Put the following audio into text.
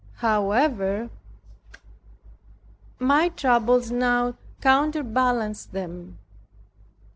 However, my troubles now counter balanced them.